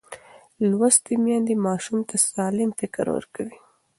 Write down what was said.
لوستې میندې ماشوم ته سالم فکر ورکوي.